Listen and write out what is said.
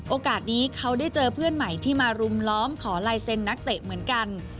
โอกาสนี้เขาได้เจอเพื่อนใหม่ที่มารุมล้อมขอลายเซ็นนักเตะเหมือนกัน